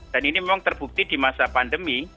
dan ini memang terbukti di masa pandemi